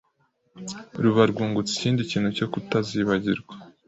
ruba rwungutse ikindi kintu cyo kutazibagirwa.